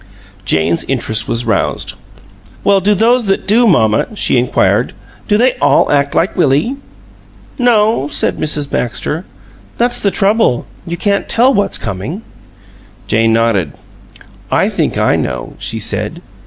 Jane's interest was roused. "Well, do those that do, mamma," she inquired, "do they all act like Willie?" "No," said Mrs. Baxter. "That's the trouble; you can't tell what's coming." Jane nodded. "I think I know," she said.